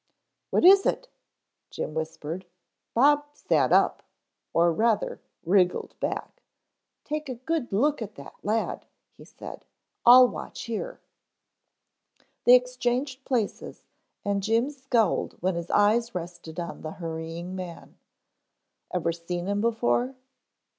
"What is it?" Jim whispered. Bob sat up, or rather wriggled back. "Take a good look at that lad," he said, "I'll watch here." They exchanged places, and Jim scowled when his eyes rested on the hurrying man. "Ever see him before?"